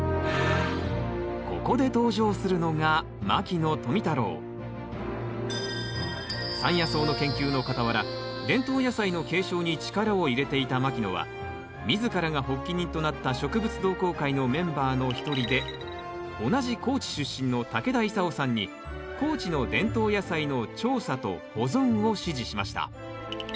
ここで登場するのが山野草の研究の傍ら伝統野菜の継承に力を入れていた牧野は自らが発起人となった植物同好会のメンバーの一人で同じ高知出身の竹田功さんに高知の伝統野菜の調査と保存を指示しました。